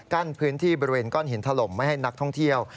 พื้นที่บริเวณก้อนหินถล่มไม่ให้นักท่องเที่ยว